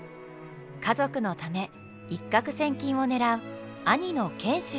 家族のため一獲千金を狙う兄の賢秀。